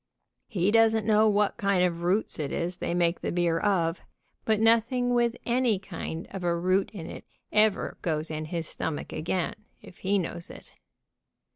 He doesn't know what kind of roots it is they make the beer of, but nothing with any kind of a root in it ever goes in his stomach again, if he knows it.